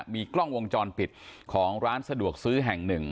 มีกล้องวงจรปิดของร้านสะดวกซื้อแห่งหนึ่ง